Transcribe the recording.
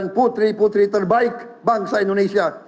dan putri putri terbaik bangsa indonesia